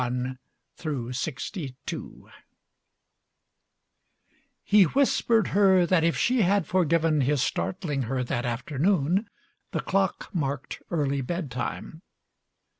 But tiring of it soon LI He whispered her that if she had forgiven His startling her that afternoon, the clock Marked early bed time.